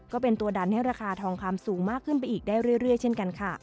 ก็เป็นตัวดันให้ราคาทองคำสูงมากขึ้นไปอีกได้เรื่อยเช่นกันค่ะ